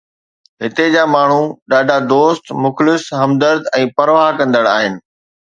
هتي جا ماڻهو ڏاڍا دوست، مخلص، همدرد ۽ پرواهه ڪندڙ آهن.